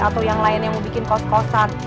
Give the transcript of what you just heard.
atau yang lain yang mau bikin kos kosan